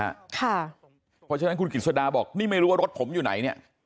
เพราะฉะนั้นคุณกิจสดาบอกนี่ไม่รู้ว่ารถผมอยู่ไหนเนี่ย